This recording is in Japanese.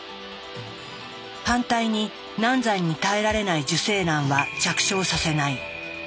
反対に難産に耐えられない受精卵は着床させない。